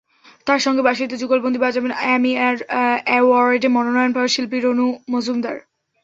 তাঁর সঙ্গে বাঁশিতে যুগলবন্দী বাজাবেন অ্যামি অ্যাওয়ার্ডে মনোনয়ন পাওয়া শিল্পী রনু মজুমদার।